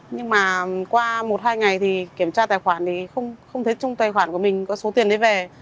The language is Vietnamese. nhưng mà qua một hai ngày thì kiểm tra tài khoản thì không thấy chung tài khoản của mình có số tiền đấy về